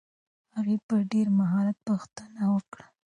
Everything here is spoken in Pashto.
هغې په ډېر مهارت پوښتنه وکړه.